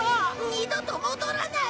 二度と戻らない！